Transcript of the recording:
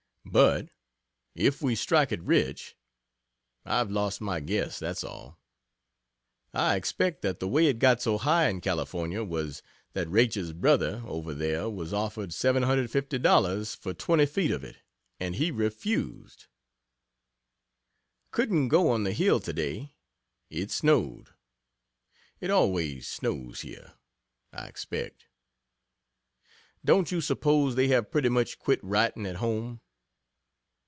But if we "strike it rich," I've lost my guess, that's all. I expect that the way it got so high in Cal. was, that Raish's brother, over there was offered $750.00 for 20 feet of it, and he refused..... Couldn't go on the hill today. It snowed. It always snows here, I expect. Don't you suppose they have pretty much quit writing, at home?